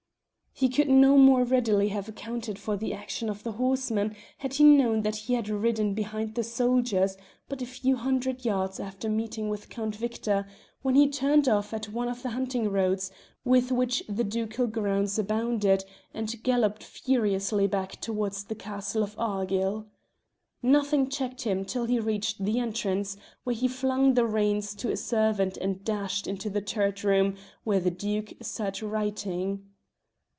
He could no more readily have accounted for the action of the horseman had he known that he had ridden behind the soldiers but a few hundred yards after meeting with Count Victor when he turned off at one of the hunting roads with which the ducal grounds abounded, and galloped furiously back towards the castle of Argyll. Nothing checked him till he reached the entrance, where he flung the reins to a servant and dashed into the turret room where the Duke sat writing.